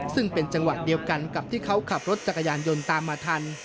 ซึ่งเป็นจังหวะเดียวกันกับที่เขาขับรถจักรยานยนต์ตามมาทัน